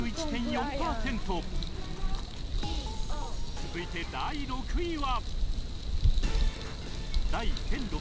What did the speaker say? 続いて第６位は